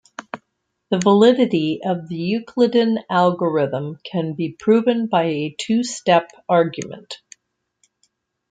The validity of the Euclidean algorithm can be proven by a two-step argument.